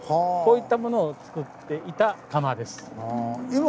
こういったものをつくっていた窯です。